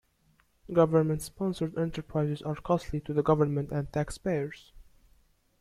Government-sponsored enterprises are costly to the government and taxpayers.